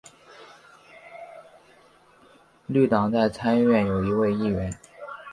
绿党在参议院有一位议员。